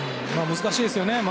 難しいですよね。